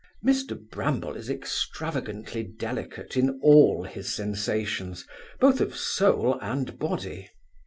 Mr Bramble is extravagantly delicate in all his sensations, both of soul and body.